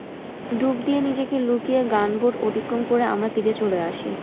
ডুব দিয়ে নিজেকে লুকিয়ে গানবোট অতিক্রম করে আমরা তীরে চলে আসি।